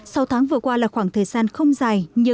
sau tháng vừa qua là khoảng thời gian không dài